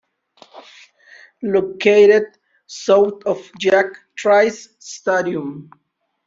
Located south of Jack Trice Stadium.